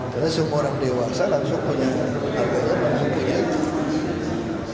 karena itu orang di barca langsung punya alih alih langsung punya iktp